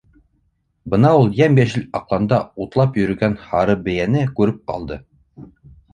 Бына ул йәм-йәшел аҡланда утлап йөрөгән һарыбейәне күреп ҡалды.